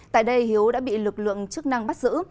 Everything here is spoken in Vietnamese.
tại đây hiếu đã bị lực lượng chức năng bắt giữ